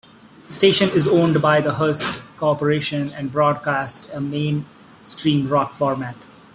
The station is owned by the Hearst Corporation and broadcasts a mainstream rock format.